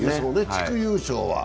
地区優勝は。